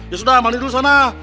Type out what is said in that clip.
ya sudah mandi dulu sana